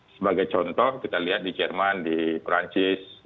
sebagai contoh kita lihat di jerman di perancis